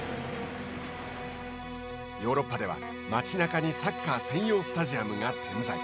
ヨーロッパでは町なかにサッカー専用スタジアムが点在。